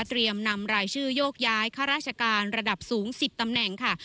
นำรายชื่อโยกย้ายข้าราชการระดับสูง๑๐ตำแหน่งค่ะ